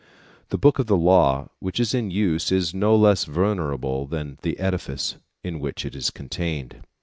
The book of the law which is in use is no less venerable than the edifice in which it is contained.